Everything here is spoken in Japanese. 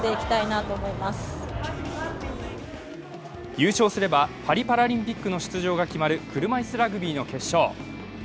優勝すればパリパラリンピックの出場が決まる車いすラグビーの決勝。